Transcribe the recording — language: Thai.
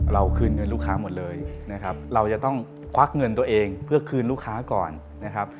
คืนเงินลูกค้าหมดเลยนะครับเราจะต้องควักเงินตัวเองเพื่อคืนลูกค้าก่อนนะครับ